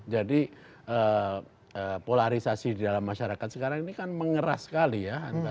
jadi polarisasi di dalam masyarakat sekarang ini kan mengerah sekali ya